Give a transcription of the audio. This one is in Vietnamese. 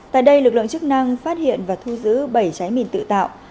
tại đây lực lượng chức năng phát hiện và thu giữ bảy trái mìn tự tạo